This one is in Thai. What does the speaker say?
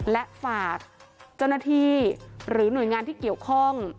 และฝากเจ้าหน้าที่หรือหน่วยงานที่เกี่ยวข้อง